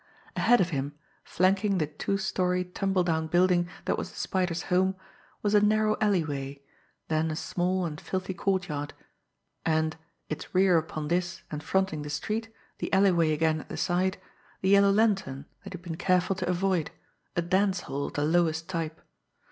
Ahead of him, flanking the two story, tumble down building that was the Spider's home, was a narrow alleyway, then a small and filthy courtyard, and, its rear upon this and fronting the street, the alleyway again at the side, the "The Yellow Lantern" that he had been careful to avoid a dance hall of the lowest type.